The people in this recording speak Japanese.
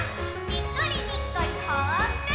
にっこりにっこりほっこり！